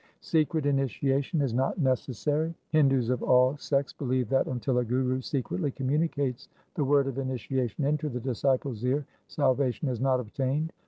1 Secret initiation is not necessary. Hindus of all sects believe that until a guru secretly communicates the word of initiation into the disciple's ear, salvation is not obtained.